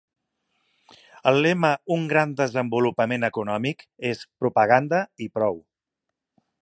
El lema ‘Un gran desenvolupament econòmic’ és propaganda i prou.